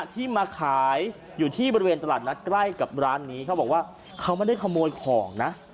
ที่มาขายอยู่ที่บริเวณตลาดนัดใกล้กับร้านนี้เขาบอกว่าเขาไม่ได้ขโมยของนะ